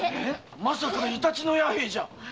まさかイタチの弥平じゃ？